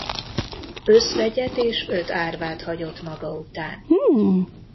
Özvegyet és öt árvát hagyott maga után.